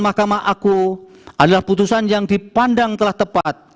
mahkamah aku adalah putusan yang dipandang telah tepat